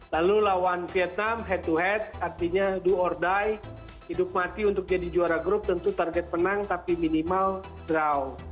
lalu lawan vietnam head to head artinya do ordie hidup mati untuk jadi juara grup tentu target penang tapi minimal draw